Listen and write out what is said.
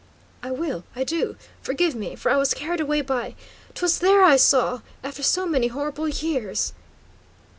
"I will, I do. Forgive me, for I was carried away by 'twas there I saw after so many horrible years!"